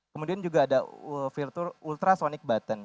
kemudian juga ada fitur ultrasonic button